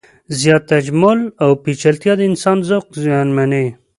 زیات تجمل او پیچلتیا د انسان ذوق زیانمنوي.